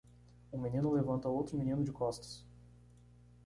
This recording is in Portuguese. Um menino levanta outro menino de costas.